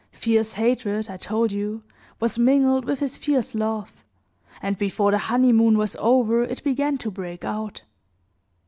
Fierce hatred, I told you, was mingled with his fierce love, and before the honeymoon was over it began to break out.